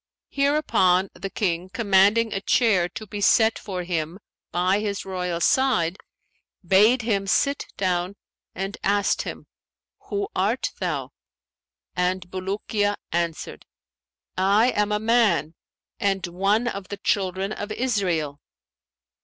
Hereupon the King, commanding a chair to be set for him by his royal side, bade him sit down and asked him 'Who art thou?'; and Bulukiya answered, 'I am a man, and one of the Children of Israel.'